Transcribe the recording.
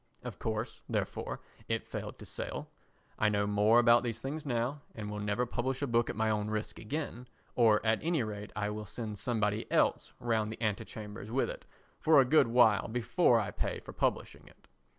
Of course, therefore, it failed to sell. I know more about these things now, and will never publish a book at my own risk again, or at any rate I will send somebody else round the antechambers with it for a good while before I pay for publishing it.